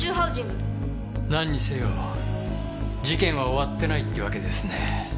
なんにせよ事件は終わってないってわけですね。